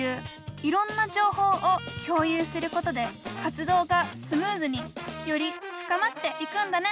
いろんな情報を共有することで活動がスムーズにより深まっていくんだね。